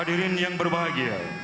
hadirin yang berbahagia